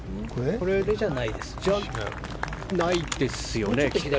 これじゃないですよね。